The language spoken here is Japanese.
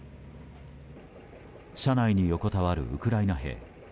車内に横たわるウクライナ兵。